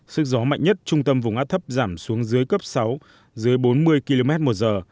sức gió mạnh nhất trung tâm vùng áp thấp giảm xuống dưới cấp sáu dưới bốn mươi km một giờ